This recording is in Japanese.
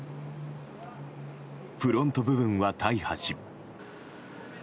フロント部分は大破し。